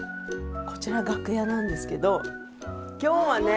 こちら楽屋なんですけど今日はね。